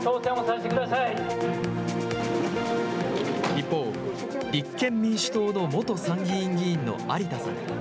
一方、立憲民主党の元参議院議員の有田さん。